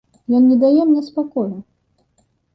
Ён не дае мне спакою.